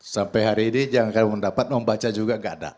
jadi jangan kaya mendapat mau baca juga gak ada